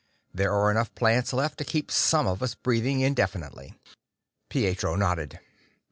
"There are enough plants left to keep some of us breathing indefinitely." Pietro nodded.